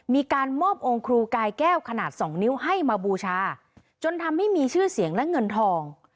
มีการมอบองค์ครูกายแก้วขนาดสองนิ้วให้มาบูชาจนทำให้มีชื่อเสียงและเงินทอง